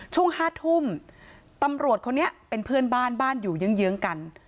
ช่วง๕ทุ่มตำรวจคนนี้เป็นเพื่อนบ้านบ้านอยู่เยื้องกัน